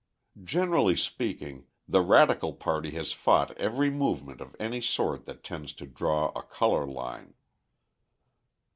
Generally speaking, the radical party has fought every movement of any sort that tends to draw a colour line.